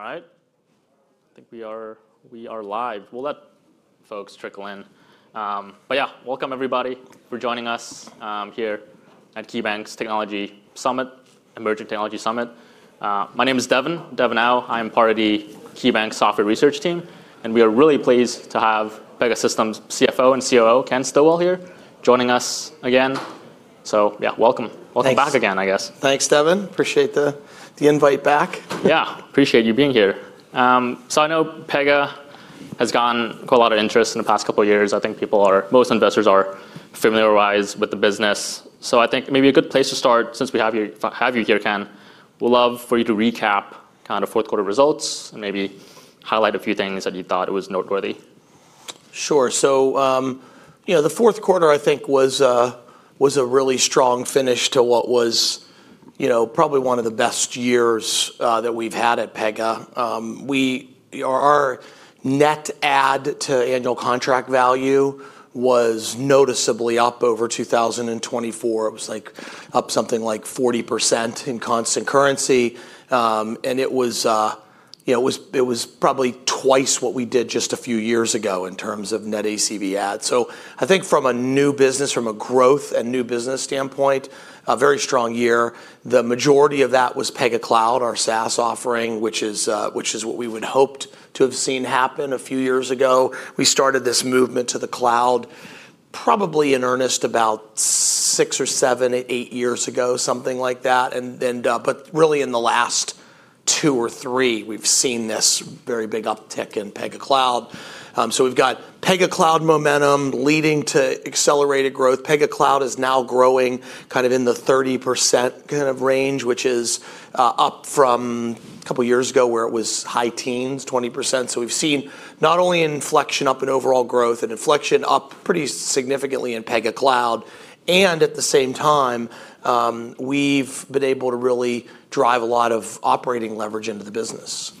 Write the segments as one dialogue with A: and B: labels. A: All right. I think we are live. We'll let folks trickle in. Yeah, welcome everybody for joining us here at KeyBanc's Technology Summit, Emerging Technology Summit. My name is Devin Au. I'm part of the KeyBanc software research team, and we are really pleased to have Pegasystems' CFO and COO, Ken Stillwell here joining us again. Yeah, welcome.
B: Thanks.
A: Welcome back again, I guess.
B: Thanks, Devin. Appreciate the invite back.
A: Yeah. Appreciate you being here. I know Pega has gotten quite a lot of interest in the past couple of years. I think most investors are familiar-wise with the business. I think maybe a good place to start, since we have you here, Ken, would love for you to recap kind of fourth quarter results and maybe highlight a few things that you thought it was noteworthy.
B: Sure. You know, the fourth quarter I think was a really strong finish to what was, you know, probably one of the best years that we've had at Pega. Our net add to annual contract value was noticeably up over 2024. It was like up something like 40% in constant currency. It was probably twice what we did just a few years ago in terms of net ACV add. I think from a new business, from a growth and new business standpoint, a very strong year. The majority of that was Pega Cloud, our SaaS offering, which is what we would hoped to have seen happen a few years ago. We started this movement to the cloud probably in earnest about 6 or 7, 8 years ago, something like that. But really in the last two or, we've seen this very big uptick in Pega Cloud. We've got Pega Cloud momentum leading to accelerated growth. Pega Cloud is now growing kind of in the 30% kind of range, which is up from a couple of years ago where it was high teens, 20%. We've seen not only inflection up in overall growth and inflection up pretty significantly in Pega Cloud, and at the same time, we've been able to really drive a lot of operating leverage into the business.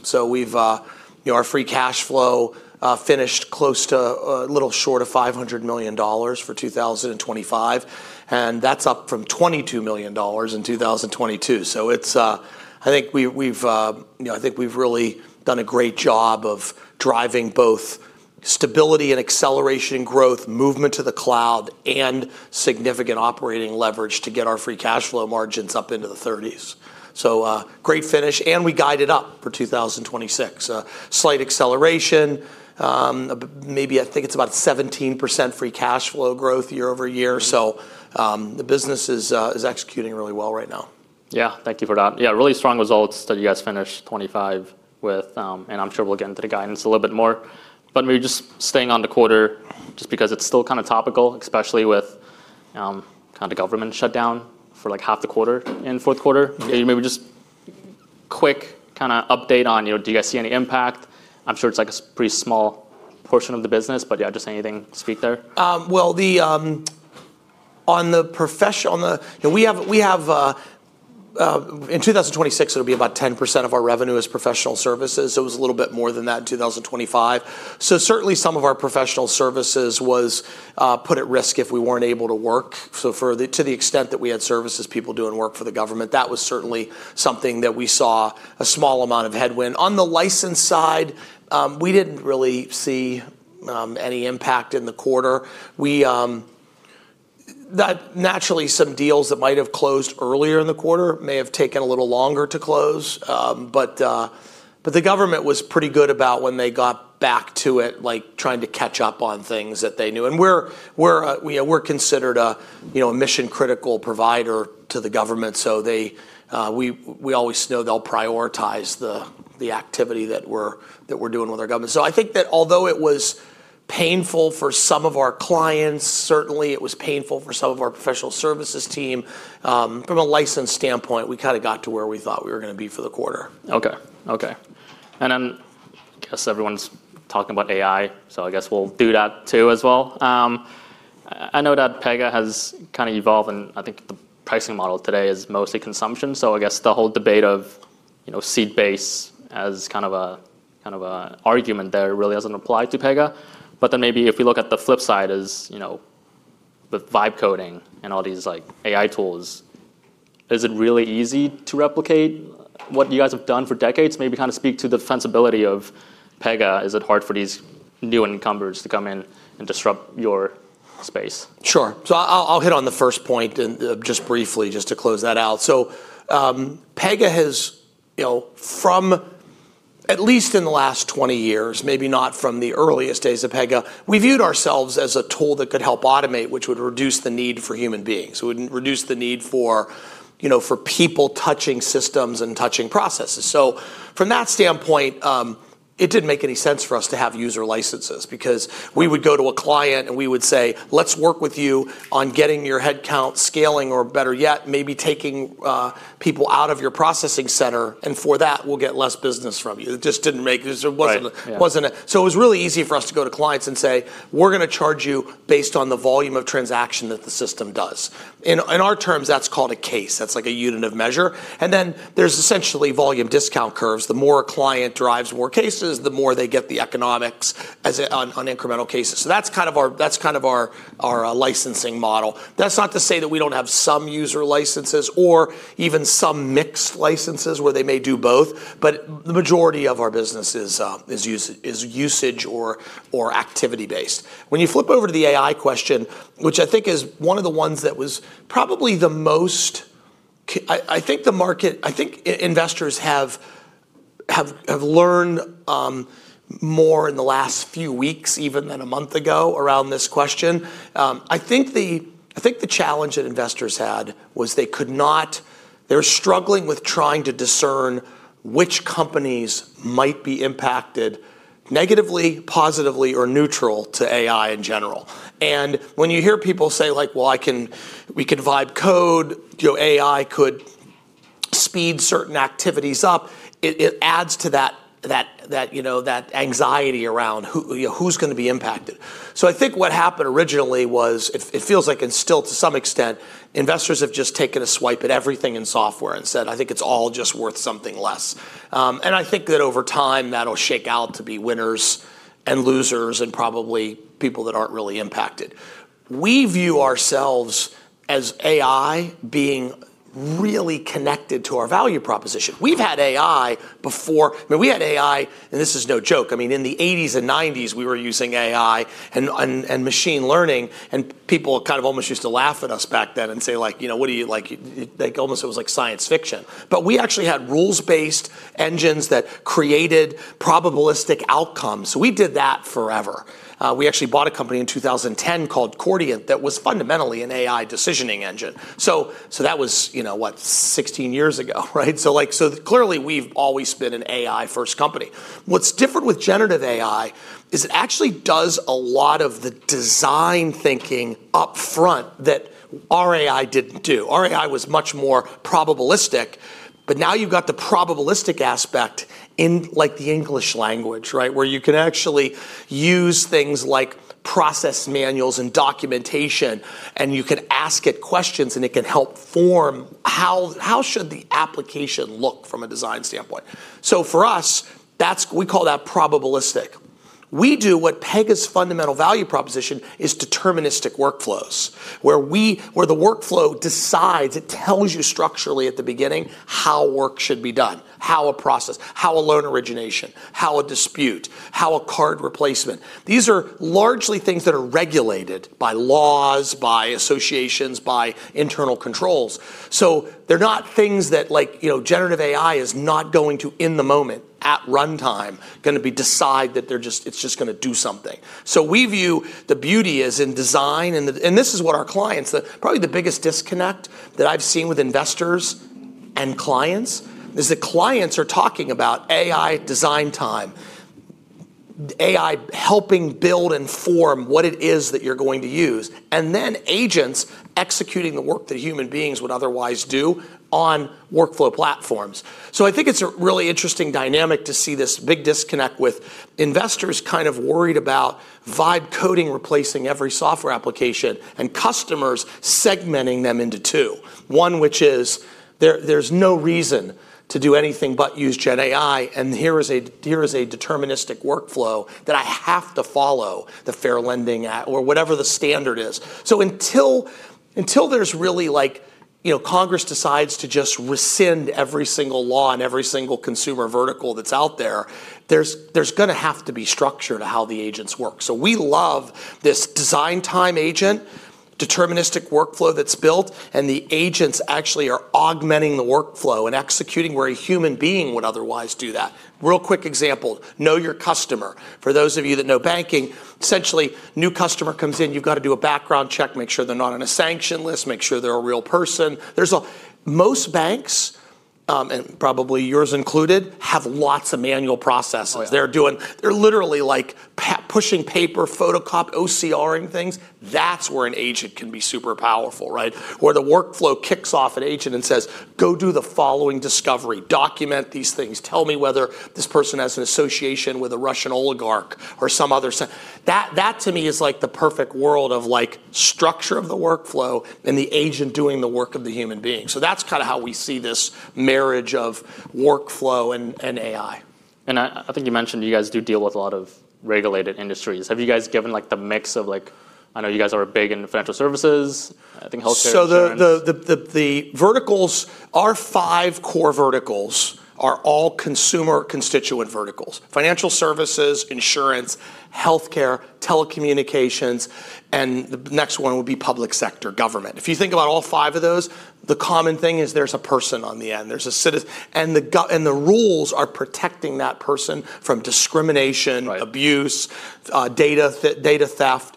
B: Our free cash flow, finished close to a little short of $500 million for 2025, and that's up from $22 million in 2022. I think we've really done a great job of driving both stability and acceleration growth, movement to the cloud, and significant operating leverage to get our free cash flow margins up into the 30s. Great finish, and we guided up for 2026. Slight acceleration, maybe I think it's about 17% free cash flow growth year-over-year. The business is executing really well right now.
A: Thank you for that. Really strong results that you guys finished 2025 with, I'm sure we'll get into the guidance a little bit more. Maybe just staying on the quarter just because it's still kind of topical, especially with, kind of government shutdown for like half the quarter in fourth quarter. Maybe just quick kinda update on, you know, do you guys see any impact? I'm sure it's like a pretty small portion of the business, but yeah, just anything to speak there.
B: In 2026, it'll be about 10% of our revenue as professional services. It was a little bit more than that in 2025. Certainly, some of our professional services was put at risk if we weren't able to work. To the extent that we had services people doing work for the government, that was certainly something that we saw a small amount of headwind. On the license side, we didn't really see any impact in the quarter. Naturally, some deals that might have closed earlier in the quarter may have taken a little longer to close. The government was pretty good about when they got back to it, like trying to catch up on things that they knew. We're considered a, you know, a mission-critical provider to the government. They, we always know they'll prioritize the activity that we're doing with our government. I think that although it was painful for some of our clients, certainly it was painful for some of our professional services team, from a license standpoint, we kinda got to where we thought we were gonna be for the quarter.
A: Okay. I guess everyone's talking about AI, so I guess we'll do that too as well. I know that Pega has kinda evolved, and I think the pricing model today is mostly consumption. I guess the whole debate of, you know, seed-based as kind of a argument there really doesn't apply to Pega. Maybe if you look at the flip side is, you know, with vibe coding and all these like AI tools, is it really easy to replicate what you guys have done for decades? Maybe kind of speak to the defensibility of Pega. Is it hard for these new encumbers to come in and disrupt your space?
B: Sure. I'll hit on the first point and just briefly just to close that out. Pega has, you know, from at least in the last 20 years, maybe not from the earliest days of Pega, we viewed ourselves as a tool that could help automate, which would reduce the need for human beings. It would reduce the need for, you know, for people touching systems and touching processes. From that standpoint, it didn't make any sense for us to have user licenses because we would go to a client and we would say, "Let's work with you on getting your headcount scaling, or better yet, maybe taking people out of your processing center, and for that, we'll get less business from you." It just didn't make. Wasn't. It was really easy for us to go to clients and say, "We're gonna charge you based on the volume of transaction that the system does." In our terms, that's called a case. That's like a unit of measure. There's essentially volume discount curves. The more a client drives more cases, the more they get the economics as in on incremental cases. That's kind of our licensing model. That's not to say that we don't have some user licenses or even some mixed licenses where they may do both, but the majority of our business is usage or activity-based. When you flip over to the AI question, which I think is one of the ones that was probably the most. I think the market, I think investors have learned more in the last few weeks even than a month ago around this question. I think the challenge that investors had was they were struggling with trying to discern which companies might be impacted negatively, positively, or neutral to AI in general. When you hear people say like, "Well, we can vibe code. You know, AI could speed certain activities up," it adds to that, you know, that anxiety around who, you know, who's gonna be impacted. I think what happened originally was it feels like, and still to some extent, investors have just taken a swipe at everything in software and said, "I think it's all just worth something less." I think that over time that'll shake out to be winners and losers and probably people that aren't really impacted. We view ourselves as AI being really connected to our value proposition. We've had AI before. I mean, we had AI, and this is no joke, I mean, in the eighties and nineties we were using AI and machine learning, and people kind of almost used to laugh at us back then and say like, almost it was like science fiction. We actually had rules-based engines that created probabilistic outcomes. We did that forever. We actually bought a company in 2010 called Chordiant that was fundamentally an AI decisioning engine. That was, you know what? 16 years ago, right? Like, so clearly we've always been an AI-first company. What's different with generative AI is it actually does a lot of the design thinking upfront that our AI didn't do. Our AI was much more probabilistic, but now you've got the probabilistic aspect in like the English language, right? Where you can actually use things like process manuals and documentation, and you can ask it questions, and it can help form how should the application look from a design standpoint. For us, that's, we call that probabilistic. We do what Pega's fundamental value proposition is deterministic workflows, where the workflow decides, it tells you structurally at the beginning how work should be done, how a process, how a loan origination, how a dispute, how a card replacement. These are largely things that are regulated by laws, by associations, by internal controls. They're not things that like, you know, generative AI is not going to, in the moment, at runtime, gonna be decide that it's just gonna do something. We view the beauty is in design. This is what our clients. Probably the biggest disconnect that I've seen with investors and clients is that clients are talking about AI design time, AI helping build and form what it is that you're going to use, and then agents executing the work that human beings would otherwise do on workflow platforms. I think it's a really interesting dynamic to see this big disconnect with investors kind of worried about vibe coding replacing every software application, and customers segmenting them into two. One which is, there's no reason to do anything but use gen AI, and here is a deterministic workflow that I have to follow the Fair Lending or whatever the standard is. Until there's really like, you know, Congress decides to just rescind every single law and every single consumer vertical that's out there's gonna have to be structure to how the agents work. We love this design time agent, deterministic workflow that's built, and the agents actually are augmenting the workflow and executing where a human being would otherwise do that. Real quick example, Know Your Customer. For those of you that know banking, essentially new customer comes in, you've got to do a background check, make sure they're not on a sanction list, make sure they're a real person. Most banks, and probably yours included, have lots of manual processes.
A: Oh, yeah.
B: They're literally like pushing paper, OCR-ing things. That's where an agent can be super powerful, right? Where the workflow kicks off an agent and says, "Go do the following discovery. Document these things. Tell me whether this person has an association with a Russian oligarch or some other" That to me is like the perfect world of like structure of the workflow and the agent doing the work of the human being. That's kinda how we see this marriage of workflow and AI.
A: I think you mentioned you guys do deal with a lot of regulated industries. Have you guys given like the mix of, I know you guys are big into financial services. I think healthcare insurance.
B: The verticals, our five core verticals are all consumer constituent verticals. Financial services, insurance, healthcare, telecommunications, and the next one would be public sector government. If you think about all five of those, the common thing is there's a person on the end. The rules are protecting that person from discrimination, abuse, data theft.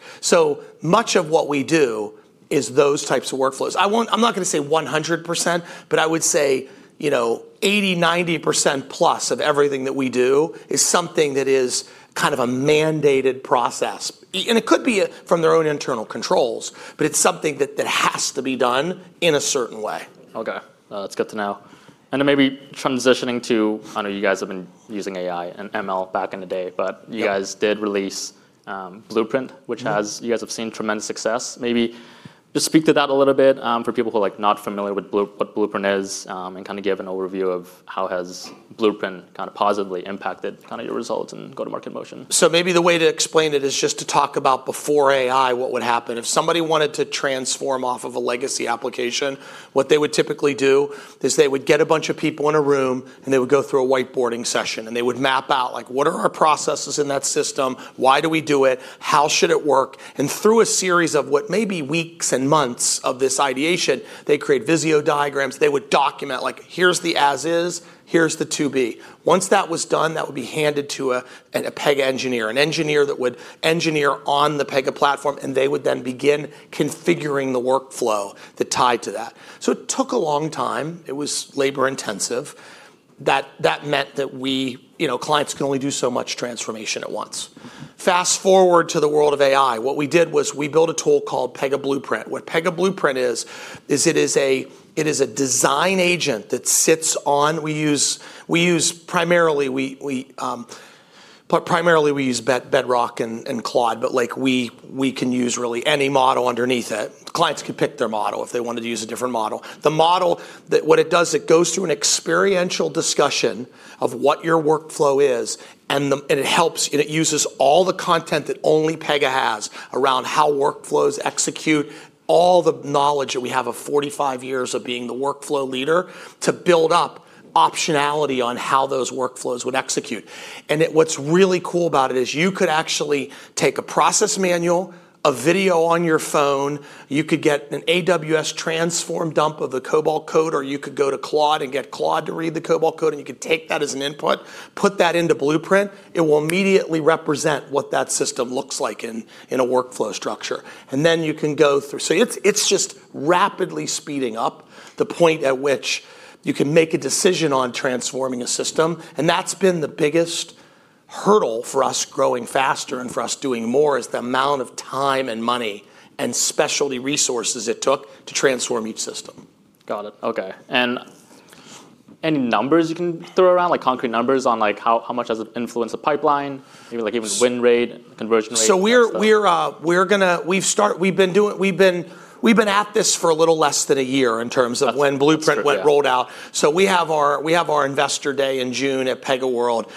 B: Much of what we do is those types of workflows. I'm not gonna say 100%, but I would say, you know, 80%, 90% plus of everything that we do is something that is kind of a mandated process. It could be from their own internal controls, but it's something that has to be done in a certain way.
A: Okay. That's good to know. Then maybe transitioning to, I know you guys have been using AI and ML back in the day but you guys did release, Blueprint which has, you guys have seen tremendous success. Maybe just speak to that a little bit, for people who are, like, not familiar with what Blueprint is, and kind of give an overview of how has Blueprint kind of positively impacted your results and go-to-market motion?
B: Maybe the way to explain it is just to talk about before AI, what would happen. If somebody wanted to transform off of a legacy application, what they would typically do is they would get a bunch of people in a room, and they would go through a whiteboarding session, and they would map out, like, what are our processes in that system? Why do we do it? How should it work? Through a series of what may be weeks and months of this ideation, they create Visio diagrams. They would document, like, here's the as is, here's the to be. Once that was done, that would be handed to a Pega engineer, an engineer that would engineer on the Pega platform, and they would then begin configuring the workflow that tied to that. It took a long time. It was labor-intensive. That meant that we, you know, clients can only do so much transformation at once. Fast forward to the world of AI. What we did was we built a tool called Pega Blueprint. What Pega Blueprint is, it is a design agent that sits on. Primarily we use Bedrock and Claude, but, like, we can use really any model underneath it. Clients could pick their model if they wanted to use a different model. The model, what it does, it goes through an experiential discussion of what your workflow is, and it helps, and it uses all the content that only Pega has around how workflows execute, all the knowledge that we have of 45 years of being the workflow leader to build up optionality on how those workflows would execute. What's really cool about it is you could actually take a process manual, a video on your phone, you could get an AWS transform dump of the COBOL code, or you could go to Claude and get Claude to read the COBOL code, and you could take that as an input, put that into Blueprint. It will immediately represent what that system looks like in a workflow structure. Then you can go through. It's just rapidly speeding up the point at which you can make a decision on transforming a system. That's been the biggest hurdle for us growing faster and for us doing more is the amount of time and money and specialty resources it took to transform each system.
A: Got it. Okay. Any numbers you can throw around, like concrete numbers on, like, how much does it influence the pipeline? Maybe like even win rate, conversion rate, that stuff?
B: We've been at this for a little less than a year in terms of when Blueprint got rolled out. We have our Investor Day in June at PegaWorld,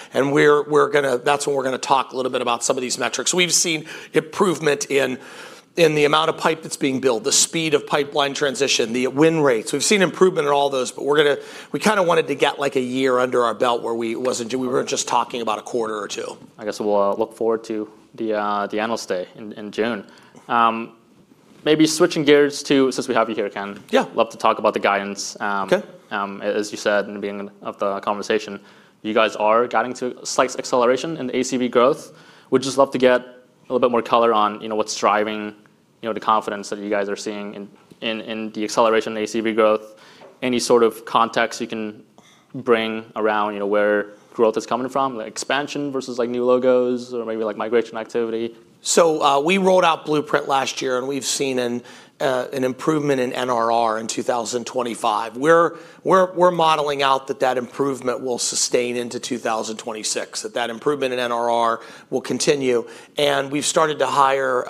B: we're gonna talk a little bit about some of these metrics. We've seen improvement in the amount of pipe that's being built, the speed of pipeline transition, the win rates. We've seen improvement in all those, we kinda wanted to get, like, a year under our belt where we weren't just talking about a quarter or two.
A: I guess we'll look forward to the analyst day in June. Maybe switching gears to, since we have you here, Ken.
B: Yeah.
A: Love to talk about the guidance.
B: Okay.
A: As you said in the beginning of the conversation, you guys are guiding to slight acceleration in the ACV growth. Would just love to get a little bit more color on, you know, what's driving, you know, the confidence that you guys are seeing in the acceleration in ACV growth? Any sort of context you can bring around, you know, where growth is coming from, like expansion versus like new logos or maybe like migration activity?
B: We rolled out Blueprint last year, and we've seen an improvement in NRR in 2025. We're modeling out that that improvement will sustain into 2026, that improvement in NRR will continue. we've started to hire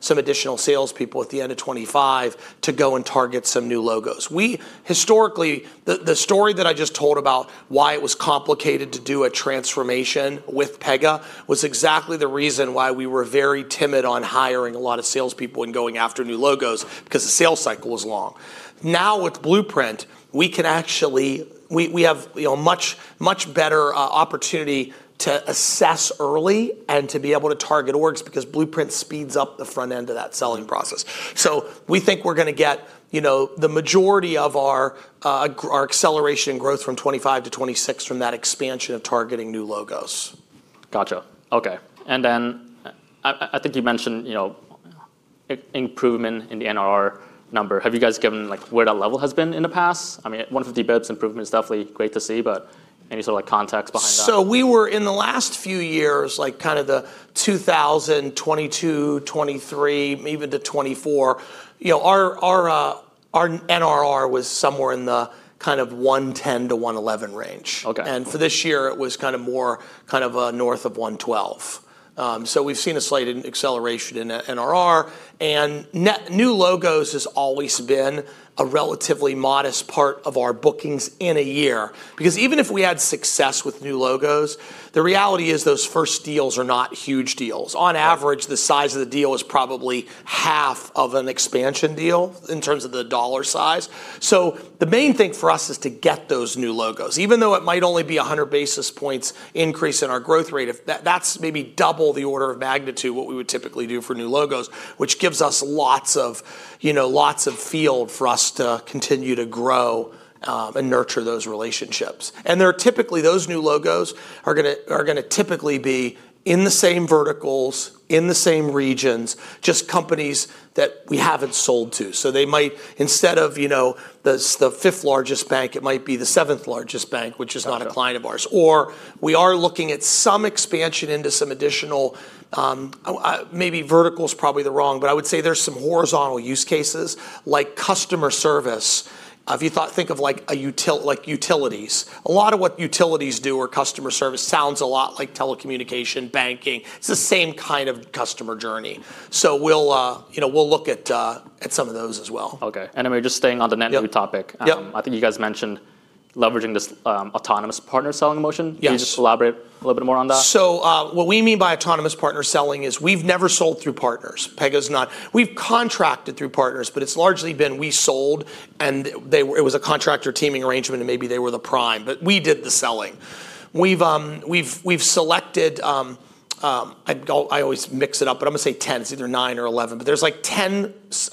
B: some additional salespeople at the end of 2025 to go and target some new logos. The story that I just told about why it was complicated to do a transformation with Pega was exactly the reason why we were very timid on hiring a lot of salespeople and going after new logos, because the sales cycle was long. With Blueprint, we have, you know, much, much better opportunity to assess early and to be able to target orgs because Blueprint speeds up the front end of that selling process. We think we're gonna get, you know, the majority of our acceleration growth from 2025-2026 from that expansion of targeting new logos.
A: Gotcha. Okay. I think you mentioned, you know, improvement in the NRR number. Have you guys given like where that level has been in the past? I mean, 150 bips improvement is definitely great to see, but any sort of like context behind that?
B: We were in the last few years, like kind of the 2022, 2023, even to 2024, you know, our, our NRR was somewhere in the kind of 110%-111% range.
A: Okay.
B: For this year, it was kind of more north of 112%. We've seen a slight acceleration in NRR. New logos has always been a relatively modest part of our bookings in a year. Because even if we had success with new logos, the reality is those first deals are not huge deals. On average, the size of the deal is probably half of an expansion deal in terms of the dollar size. The main thing for us is to get those new logos. Even though it might only be 100 basis points increase in our growth rate, that's maybe double the order of magnitude what we would typically do for new logos, which gives us lots of, you know, lots of field for us to continue to grow and nurture those relationships. They're typically, those new logos are gonna typically be in the same verticals, in the same regions, just companies that we haven't sold to. They might, instead of, you know, the fifth largest bank, it might be the seventh largest bank which is not a client of ours. We are looking at some expansion into some additional, maybe vertical is probably the wrong, but I would say there's some horizontal use cases like customer service. If you think of like utilities. A lot of what utilities do or customer service sounds a lot like telecommunication, banking. It's the same kind of customer journey. We'll, you know, we'll look at some of those as well.
A: Okay. We're just staying on the net new topic.
B: Yep.
A: I think you guys mentioned leveraging this autonomous partner selling motion.
B: Yes.
A: Can you just elaborate a little bit more on that?
B: What we mean by autonomous partner selling is we've never sold through partners. We've contracted through partners, but it's largely been we sold, and it was a contractor teaming arrangement, and maybe they were the prime. We did the selling. We've selected, I always mix it up, but I'm gonna say 10. It's either nine or 11. There's like 10 SI,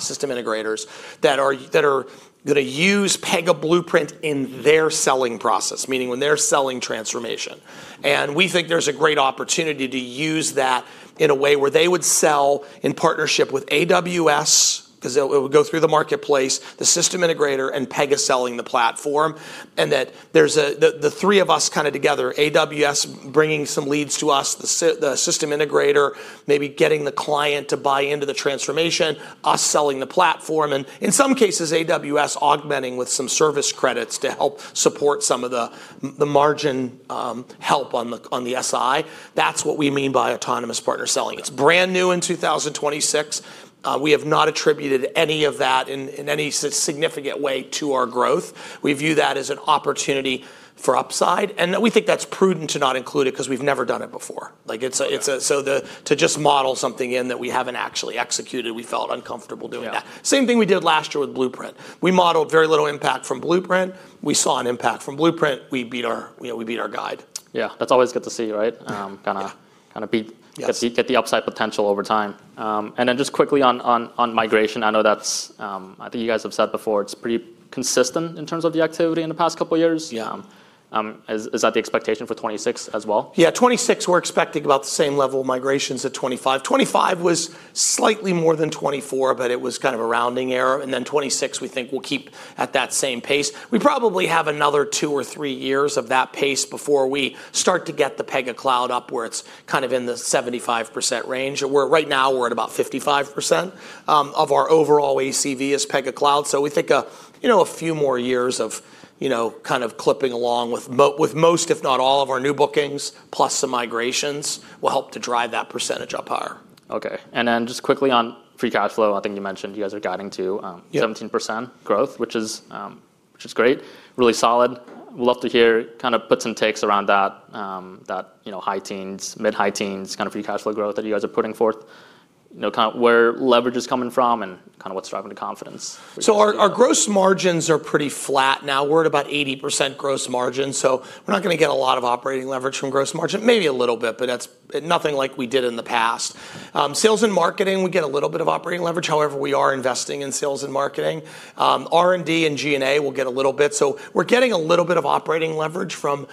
B: system integrators that are gonna use Pega Blueprint in their selling process, meaning when they're selling transformation. We think there's a great opportunity to use that in a way where they would sell in partnership with AWS, 'cause it would go through the marketplace, the system integrator, and Pega selling the platform. The three of us kind of together, AWS bringing some leads to us, the system integrator maybe getting the client to buy into the transformation, us selling the platform, and in some cases, AWS augmenting with some service credits to help support some of the margin, help on the SI. That's what we mean by autonomous partner selling. It's brand new in 2026. We have not attributed any of that in any significant way to our growth. We view that as an opportunity for upside, and that we think that's prudent to not include it 'cause we've never done it before.
A: Okay.
B: To just model something in that we haven't actually executed, we felt uncomfortable doing that.
A: Yeah.
B: Same thing we did last year with Blueprint. We modeled very little impact from Blueprint. We saw an impact from Blueprint. We beat our guide.
A: Yeah. That's always good to see, right?
B: Yeah. Yes
A: Get the upside potential over time. Just quickly on migration, I think you guys have said before, it's pretty consistent in terms of the activity in the past couple years.
B: Yeah.
A: Is that the expectation for 2026 as well?
B: Yeah, 2026 we're expecting about the same level of migrations as 2025. 2025 was slightly more than 2024, but it was kind of a rounding error. 2026, we think we'll keep at that same pace. We probably have another two or three years of that pace before we start to get the Pega Cloud up where it's kind of in the 75% range. Right now we're at about 55% of our overall ACV as Pega Cloud. We think, you know, a few more years of, you know, kind of clipping along with most, if not all, of our new bookings, plus some migrations, will help to drive that percentage up higher.
A: Okay. Just quickly on free cash flow, I think you mentioned you guys are guiding to.
B: Yeah
A: 17% growth, which is, which is great. Really solid. Would love to hear kind of puts and takes around that, you know, high teens, mid-high teens kind of free cash flow growth that you guys are putting forth. You know, kind of where leverage is coming from and kind of what's driving the confidence.
B: Our gross margins are pretty flat now. We're at about 80% gross margin, so we're not gonna get a lot of operating leverage from gross margin. Maybe a little bit, that's nothing like we did in the past. Sales and marketing, we get a little bit of operating leverage. However, we are investing in sales and marketing. R&D and G&A will get a little bit. We're getting a little bit of operating leverage from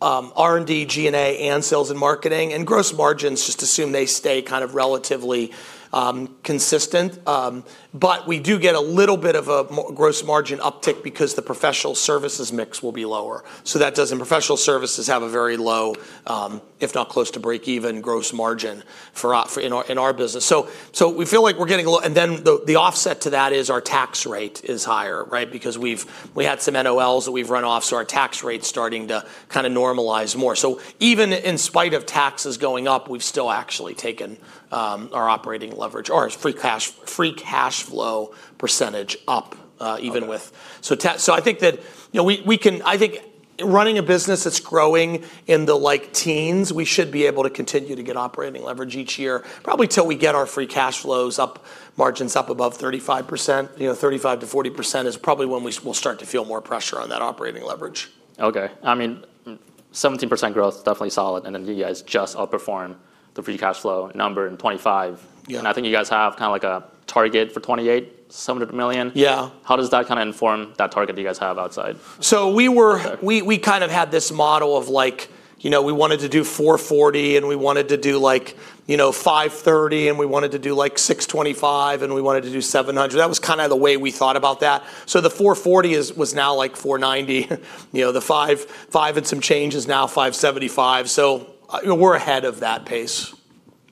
B: R&D, G&A, and sales and marketing. Gross margins, just assume they stay kind of relatively consistent. We do get a little bit of a gross margin uptick because the professional services mix will be lower. Professional services have a very low, if not close to break-even gross margin in our business. We feel like we're getting a little. The offset to that is our tax rate is higher, right? Because we had some NOLs that we've run off, our tax rate's starting to kind of normalize more. Even in spite of taxes going up, we've still actually taken our operating leverage or our free cashflow percentage up. I think running a business that's growing in the, like, teens, we should be able to continue to get operating leverage each year, probably till we get our free cash flows up, margins up above 35%. You know, 35%-40% is probably when we'll start to feel more pressure on that operating leverage.
A: Okay. I mean, 17% growth, definitely solid. You guys just outperformed the free cash flow number in 2025.
B: Yeah.
A: I think you guys have kind of like a target for 2028, $700 million. How does that kind of inform that target that you guys have outside?
B: We kind of had this model of, like, you know, we wanted to do $440, and we wanted to do, like, you know, $530, and we wanted to do, like, $625, and we wanted to do $700. That was kind of the way we thought about that. The $440 was now, like, $490. You know, the $5 and some change is now $575. You know, we're ahead of that pace.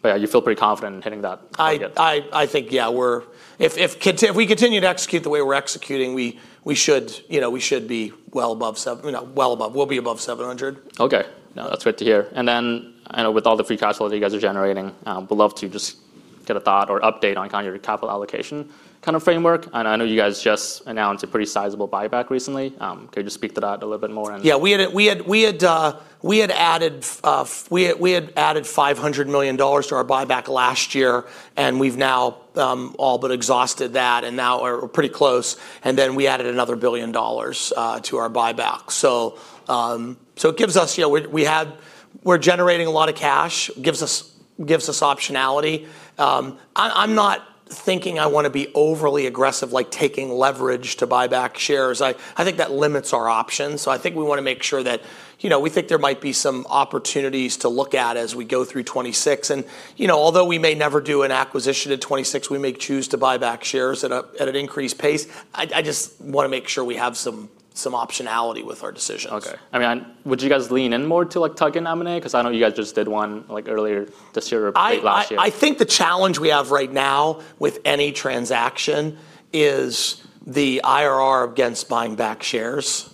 A: Yeah. You feel pretty confident in hitting that target?
B: I think, yeah, we're. If we continue to execute the way we're executing, we should, you know, we should be well above you know, well above. We'll be above 700.
A: Okay. No, that's great to hear. I know with all the free cashflow that you guys are generating, would love to just get a thought or update on kind of your capital allocation kind of framework. I know you guys just announced a pretty sizable buyback recently. Could you just speak to that a little bit more?
B: Yeah. We had added $500 million to our buyback last year, and we've now all but exhausted that, and now are pretty close. We added another $1 billion to our buyback. It gives us, you know, we're generating a lot of cash. Gives us optionality. I'm not thinking I wanna be overly aggressive, like taking leverage to buy back shares. I think that limits our options. I think we wanna make sure that we think there might be some opportunities to look at as we go through 2026. You know, although we may never do an acquisition in 2026, we may choose to buy back shares at an increased pace. I just wanna make sure we have some optionality with our decisions.
A: Okay. I mean, would you guys lean in more to, like, tuck-in M&A? Cause I know you guys just did one, like, earlier this year or late last year.
B: I think the challenge we have right now with any transaction is the IRR against buying back shares.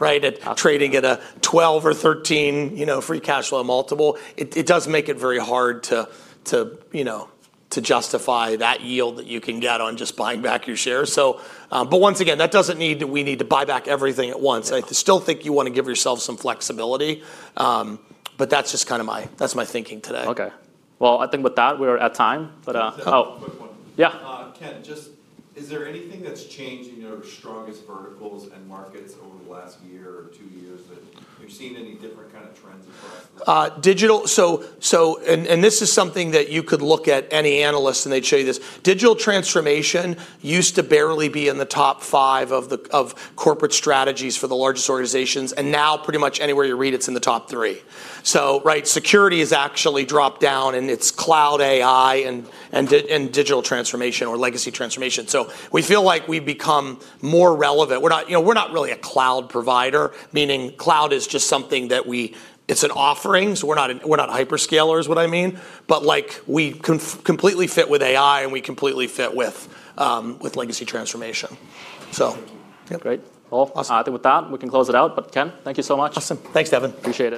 B: Right? At trading at a 12 or 13 free cashflow multiple. It does make it very hard to, you know, to justify that yield that you can get on just buying back your shares. Once again, that doesn't need that we need to buy back everything at once. I still think you wanna give yourself some flexibility. But that's just kind of that's my thinking today.
A: Okay. Well, I think with that, we're at time.
C: Quick one.
B: Yeah.
C: Ken, just is there anything that's changed in your strongest verticals and markets over the last year or two years? That you've seen any different kind of trends?
B: Digital. This is something that you could look at any analyst, and they'd show you this. Digital transformation used to barely be in the top five of corporate strategies for the largest organizations, and now pretty much anywhere you read, it's in the top three. Right, security has actually dropped down, and it's cloud AI and digital transformation or legacy transformation. We feel like we've become more relevant. We're not really a cloud provider, meaning cloud is just something that we It's an offering, so we're not, we're not hyperscale is what I mean. Like, we completely fit with AI, and we completely fit with legacy transformation.
A: Great.
B: Awesome
A: I think with that, we can close it out. Ken, thank you so much.
B: Awesome. Thanks, Devin.
A: Appreciate it.